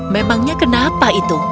memangnya kenapa itu